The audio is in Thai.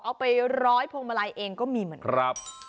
เอาไปร้อยพวงมาลัยเองก็มีเหมือนกัน